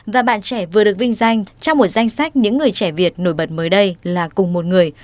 và bạn trẻ vừa được vinh danh trong một danh sách những người trẻ việt nổi bật mới đây là cùng một người